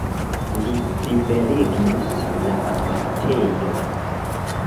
Li plibeligis la abatejon.